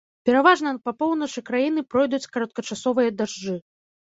Пераважна па поўначы краіны пройдуць кароткачасовыя дажджы.